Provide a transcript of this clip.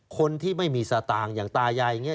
คนที่ไม่มีสตางค์อย่างตายาย